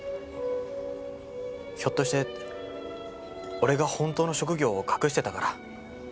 ひょっとして俺が本当の職業を隠してたから？